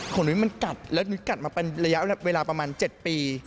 ของหนูมันกัดแล้วหนูกัดมาเป็นระยะเวลาประมาณ๗ปี